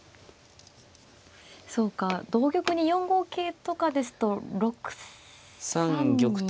そうか同玉に４五桂とかですと６三に。